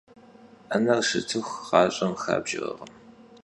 'ener şıtıxu, ğaş'em xabjjerkhım.